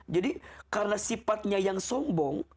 jadi karena sifatnya yang sombong